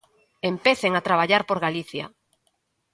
Empecen a traballar por Galicia.